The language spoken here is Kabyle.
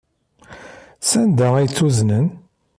Sanda ay tt-uznen?